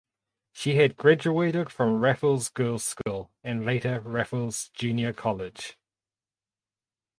She had graduated from Raffles Girls’ School and later Raffles Junior College.